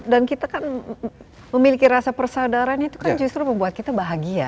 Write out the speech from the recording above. dan kita kan memiliki rasa persadaran itu kan justru membuat kita bahagia